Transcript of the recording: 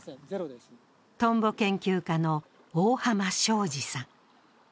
トンボ研究家の大浜祥治さん。